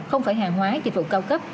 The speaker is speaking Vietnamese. không phải hàng hóa dịch vụ cao cấp